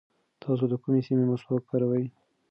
تاسو د کومې سیمې مسواک کاروئ؟